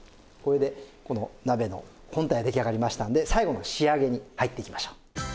これでこの鍋の本体出来上がりましたので最後の仕上げに入っていきましょう。